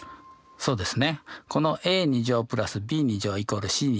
そうですね。